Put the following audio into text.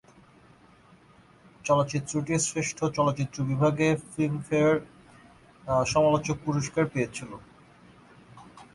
চলচ্চিত্রটি শ্রেষ্ঠ চলচ্চিত্র বিভাগে ফিল্মফেয়ার সমালোচক পুরস্কার পেয়েছিলো।